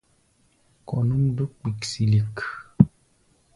Kɔ̧ núʼm dúk kpiksilik.